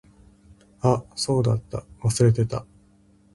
あ、そうだった。忘れてた。